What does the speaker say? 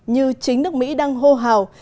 như chính nước mỹ đang hô hào